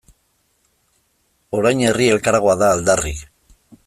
Orain Herri Elkargoa da aldarri.